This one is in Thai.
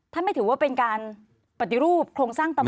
ไม่ถือว่าเป็นการปฏิรูปโครงสร้างตำห